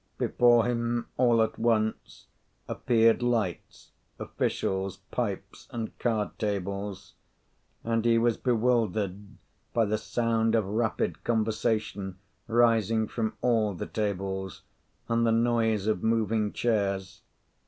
Before him all at once appeared lights, officials, pipes, and card tables; and he was bewildered by the sound of rapid conversation rising from all the tables, and the noise of moving chairs.